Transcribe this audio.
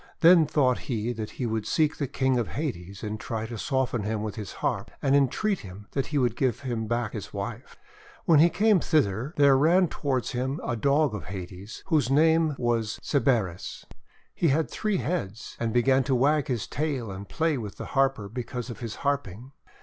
Then thought he that lie would seek the King of Hades and try to soften him with his harp, and entreat him that he would give him back his wife. When he came thither there ran toward him a Dog of Hades whose name was Cerberus. He had three heads, and began to wag his tail and play with the Harper because of his harping.